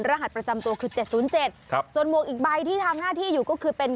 รหัสประจำตัวคือ๗๐๗ส่วนหมวกอีกใบที่ทำหน้าที่อยู่ก็คือเป็น